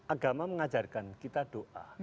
agama mengajarkan kita doa